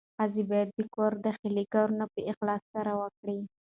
ښځه باید د کور داخلي کارونه په اخلاص سره وکړي.